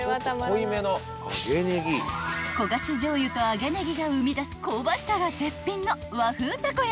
［焦がし醤油と揚げねぎが生み出す香ばしさが絶品の和風たこ焼］